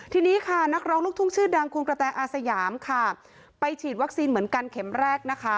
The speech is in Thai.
ทีนี้ค่ะนักร้องรกทุ่งชื่อดังคุณกระแตอะอาซายามค่ะ